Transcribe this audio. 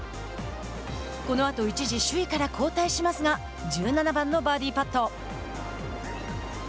このあと一時首位から後退しますが１７番のバーディーパット。